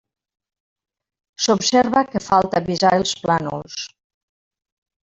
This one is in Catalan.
S'observa que falta visar els plànols.